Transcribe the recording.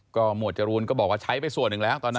หมวดจรูนก็บอกว่าใช้ไปส่วนหนึ่งแล้วตอนนั้น